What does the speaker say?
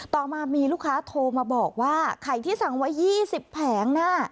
ต่อมามีลูกค้าโทรมาบอกว่าไข่ที่สั่งไว้๒๐แผงน่ะ